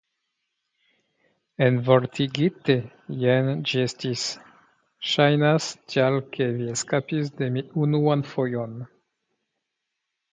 "Envortigite, jen ĝi estis: "Ŝajnas tial ke vi eskapis de mi unuan fojon."